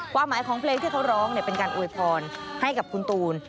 ความหมายของเพลงที่เขาร้องเป็นการอวยพรให้กับคุณตูน